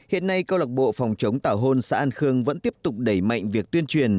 hiện nay câu lạc bộ phòng chống tảo hôn xã an khương vẫn tiếp tục đẩy mạnh việc tuyên truyền